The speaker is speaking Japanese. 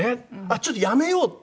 ちょっとやめよう」って。